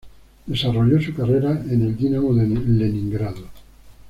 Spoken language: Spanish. Desarrolló su carrera en el Dynamo de Leningrado.